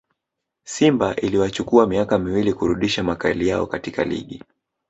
simba iliwachukua miaka miwili kurudisha makali yao katika ligi